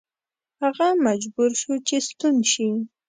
هغه مجبور شو چې ستون شي.